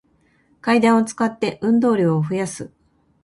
階段を使って、運動量を増やす